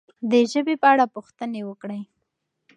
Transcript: د ژبې په اړه پوښتنې وکړئ.